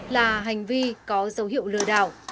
là hành vi có dấu hiệu lừa đảo